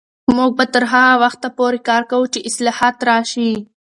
موږ به تر هغه وخته کار کوو چې اصلاحات راشي.